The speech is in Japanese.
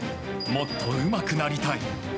もっとうまくなりたい。